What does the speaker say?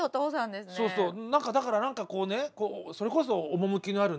何かだから何かこうねそれこそ趣のあるね